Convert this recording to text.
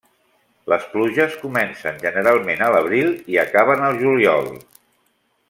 Les pluges comencen generalment a l'abril i acaben al juliol.